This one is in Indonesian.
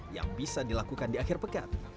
yang bisa dilakukan di akhir pekan